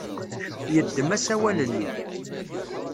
Yeddem asawal-nni.